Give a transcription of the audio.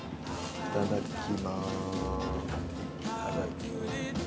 いただきます。